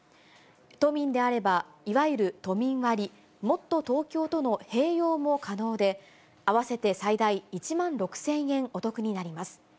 都民であれば、いわゆる都民割、もっとＴｏｋｙｏとの併用も可能で、合わせて最大１万６０００円お得になります。